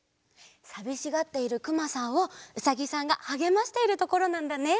さびしがっているくまさんをうさぎさんがはげましているところなんだね。